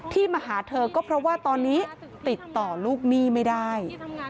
มาหาเธอก็เพราะว่าตอนนี้ติดต่อลูกหนี้ไม่ได้